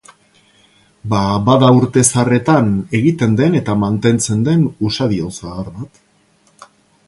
Ba bada urte zaharretan egiten eta mantentzen den usadio zahar bat.